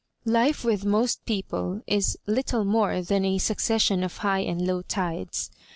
liiFB with most people is little more than a suc cession of high and low tides.